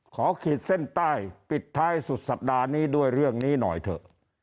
ขีดเส้นใต้ปิดท้ายสุดสัปดาห์นี้ด้วยเรื่องนี้หน่อยเถอะ